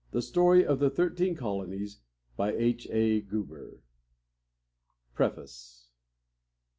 STORY OF THE THIRTEEN COLONIES. M. B. C. I PREFACE.